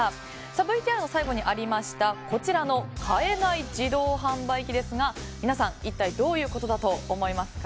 ＶＴＲの最後にありましたこちらの買えない自動販売機ですが皆さん、一体どういうことだと思いますか？